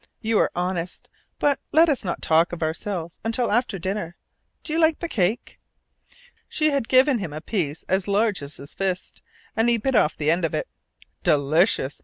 You are honest. But let us not talk of ourselves until after dinner. Do you like the cake?" She had given him a piece as large as his fist, and he bit off the end of it. "Delicious!"